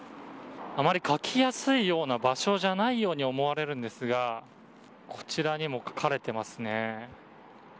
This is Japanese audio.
あまり書きやすいような場所じゃないように思われるんですがここにも書かれてますね。